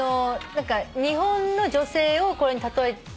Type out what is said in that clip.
日本の女性をこれに例え。